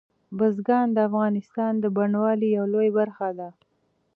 بزګان د افغانستان د بڼوالۍ یوه لویه برخه ده.